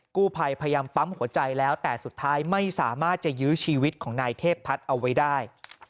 กู้ภัยพยายามปั๊มหัวใจแล้วแต่สุดท้ายไม่สามารถจะยื้อชีวิตของนายเทพทัศน์เอาไว้ได้